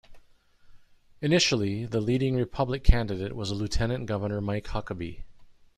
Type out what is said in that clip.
Initially, the leading Republican candidate was Lieutenant Governor Mike Huckabee.